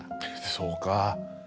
そうか。